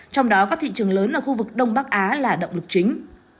trong đó các thị trường lớn ở khu vực đông bắc á là động lực chính